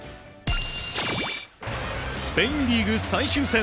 スペインリーグ最終戦。